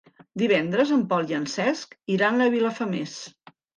Divendres en Pol i en Cesc iran a Vilafamés.